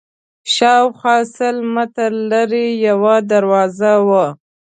شاوخوا سل متره لرې یوه دروازه وه.